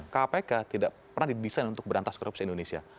kpk tidak pernah didesain untuk berantas korupsi indonesia